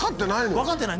分かってない。